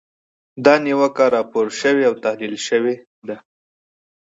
دا نیوکه راپور شوې او تحلیل شوې ده.